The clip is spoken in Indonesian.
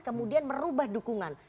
kemudian merubah dukungan